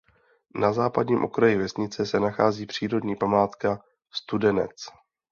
Na západním okraji vesnice se nachází přírodní památka Studenec.